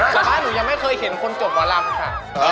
แต่บ้านหนูยังไม่เคยเห็นคนจบหมอลำค่ะ